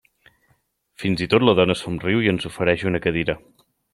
Fins i tot la dona somriu i ens ofereix una cadira.